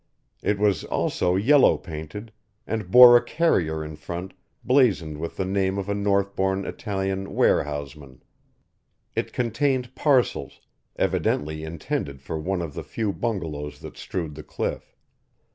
It was also yellow painted, and bore a carrier in front blazoned with the name of a Northbourne Italian Warehouseman. It contained parcels, evidently intended for one of the few bungalows that strewed the cliff.